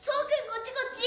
こっちこっち。